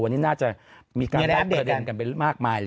วันนี้น่าจะมีการตั้งประเด็นกันไปมากมายเลย